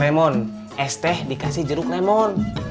lemon es teh dikasih jeruk lemon